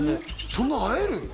そんな会える？